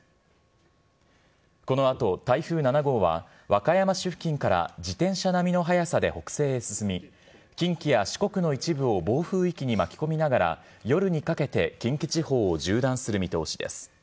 このあと台風７号は、和歌山市付近から自転車並みの速さで北西へ進み、近畿や四国の一部を暴風域に巻き込みながら、夜にかけて近畿地方を縦断する見通しです。